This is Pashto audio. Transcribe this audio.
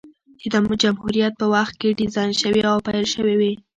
چې د جمهوريت په وخت کې ډيزاين شوې او پېل شوې وې،